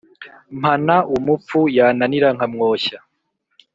Mpana umupfu yananira nkamwoshya.